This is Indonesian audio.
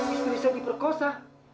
istri saya diperkosa